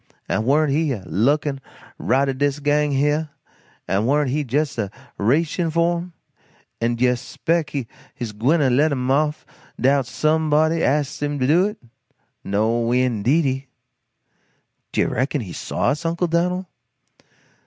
An' warn't he a lookin' right at dis gang heah, an' warn't he jes' a reachin' for 'em? An' d'you spec' he gwyne to let 'em off 'dout somebody ast him to do it? No indeedy!" "Do you reckon he saw, us, Uncle Dan'l?